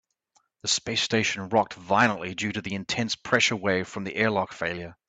The space station rocked violently due to the intense pressure wave from the airlock failure.